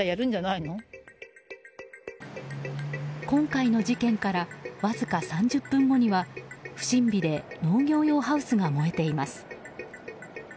今回の事件からわずか３０分後には不審火で農業用ハウスが燃えています。